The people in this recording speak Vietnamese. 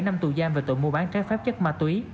năm tù giam về tội mua bán trái phép chất ma túy